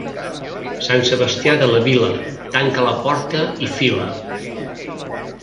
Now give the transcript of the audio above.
Sant Sebastià de la vila, tanca la porta i fila.